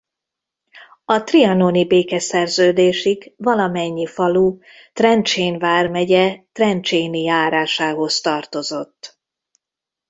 A trianoni békeszerződésig valamennyi falu Trencsén vármegye Trencséni járásához tartozott.